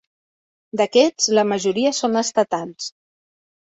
D'aquests, la majoria són estatals.